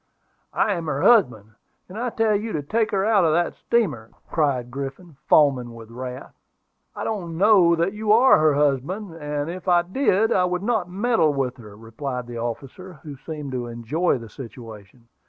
"I am her husband; and I tell you to take her out of that steamer," cried Griffin, foaming with wrath. "I don't know that you are her husband; and if I did, I would not meddle with her," replied the officer, who seemed to enjoy the situation.